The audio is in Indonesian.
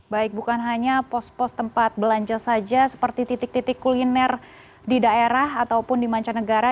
baik bukan hanya pos pos tempat belanja saja seperti titik titik kuliner di daerah ataupun di mancanegara